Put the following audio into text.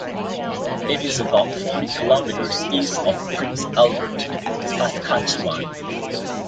It is about forty kilometres east of Prince Albert, Saskatchewan.